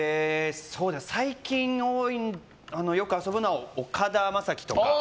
最近よく遊ぶのは岡田将生とか。